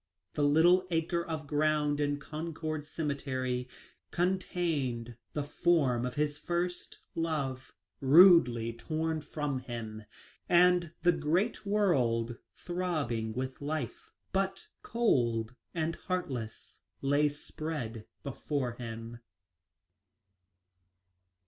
The little acre of ground in Concord cemetery contained the form of his first love, rudely torn from him, and the great world, throbbing with life but cold and heartless, lay spread before him.